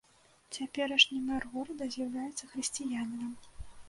Цяперашні мэр горада з'яўляецца хрысціянінам.